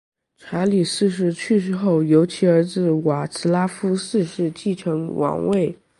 查理四世去世后由其儿子瓦茨拉夫四世继承王位。